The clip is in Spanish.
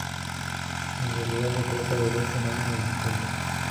En realidad se trata de dos fenómenos distintos.